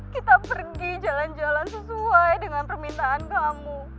kita pergi jalan jalan sesuai dengan permintaan kamu